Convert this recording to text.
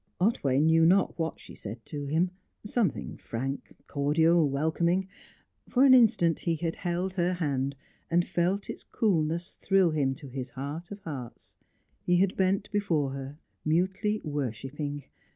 Otway knew not what she said to him; something frank, cordial, welcoming. For an instant he had held her hand, and felt its coolness thrill him to his heart of hearts; he had bent before her, mutely worshipping.